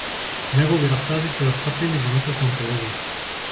Негови раскази се застапени во неколку антологии.